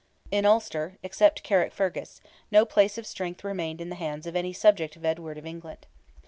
In Ulster, except Carrickfergus, no place of strength remained in the hands of any subject of Edward of England.